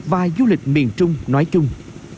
và du lịch miền trung nói chung